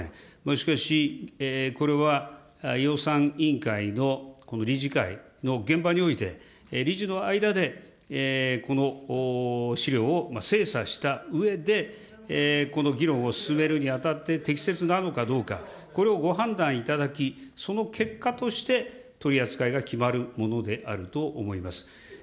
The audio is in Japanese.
しかし、これは予算委員会の理事会の現場において、理事の間でこの資料を精査したうえで、この議論を進めるにあたって適切なのかどうか、これをご判断いただき、その結果として取り扱いが決まるものであると思います。